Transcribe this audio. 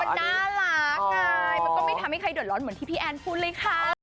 มันน่ารักไงมันก็ไม่ทำให้ใครเดือดร้อนเหมือนที่พี่แอนพูดเลยค่ะ